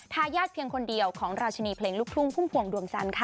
ทายาทเพียงคนเดียวของราชินีเพลงลูกทุ่งพุ่มพวงดวงจันทร์ค่ะ